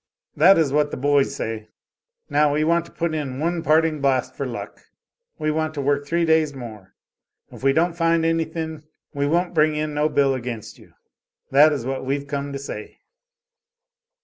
That is what the boys say. Now we want to put in one parting blast for luck. We want to work three days more; if we don't find anything, we won't bring in no bill against you. That is what we've come to say."